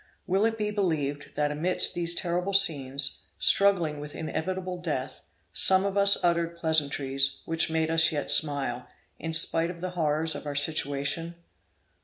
Will it be believed, that amidst these terrible scenes, struggling with inevitable death, some of us uttered pleasantries which made us yet smile, in spite of the horrors of our situation?